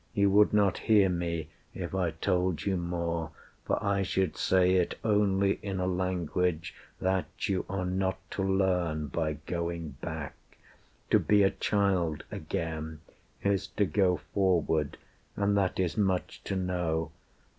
You would not hear me if I told you more, For I should say it only in a language That you are not to learn by going back. To be a child again is to go forward And that is much to know.